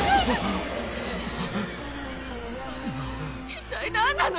一体何なの？